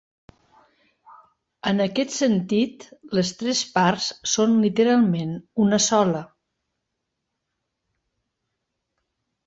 En aquest sentit, les tres parts són literalment una sola.